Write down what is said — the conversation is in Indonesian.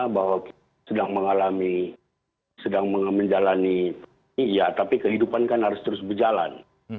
bahwa sedang mengalami sedang menjalani iya tapi kehidupan kan harus terus berjalan